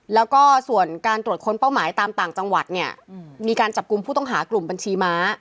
แล้วก็ส่วนการตรวจค้นเป้าหมายตามต่างจังหวัดเนี่ยมีการจับกลุ่มผู้ต้องหากลุ่มบัญชีม้า